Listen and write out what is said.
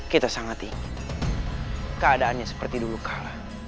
kita sangat ingin keadaannya seperti dulu kalah